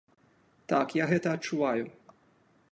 Так, я гэта адчуваю.